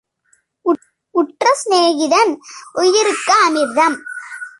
உற்ற சிநேகிதன் உயிருக்கு அமிர்தம்.